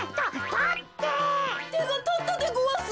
てがたったでごわす。